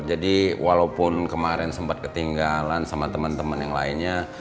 jadi walaupun kemarin sempat ketinggalan sama temen temen yang lainnya